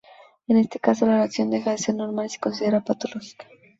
En este caso la reacción deja de ser normal y se considera patológica.